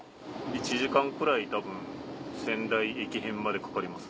１時間くらいたぶん仙台駅辺までかかります。